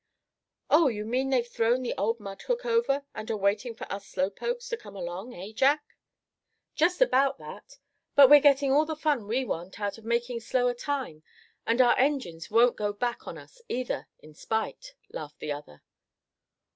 "Oh! you mean they've thrown the old mud hook over, and are waiting for us slow pokes to come along, eh, Jack?" "Just about that; but we're getting all the fun we want out of making slower time; and our engines won't go back on us either, in spite," laughed the other.